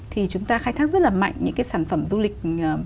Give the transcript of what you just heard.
thì chúng ta khai thác rất là mạnh những cái sản phẩm du lịch